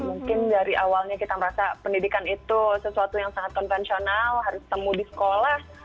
mungkin dari awalnya kita merasa pendidikan itu sesuatu yang sangat konvensional harus temu di sekolah